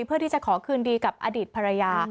เพื่อที่จะขอคืนดีกับอดีตภรรยา